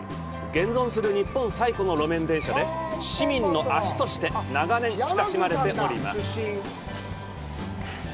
現存する日本最古の路面電車で、市民の足として長年親しまれています。